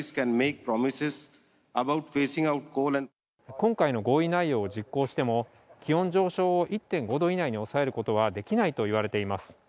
今回の合意内容を実行しても気温上昇を１．５度以内に抑えることはできないといわれています。